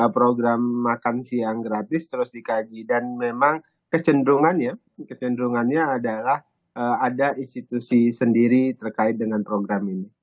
program makan siang gratis terus dikaji dan memang kecenderungan ya kecenderungannya adalah ada institusi sendiri terkait dengan program ini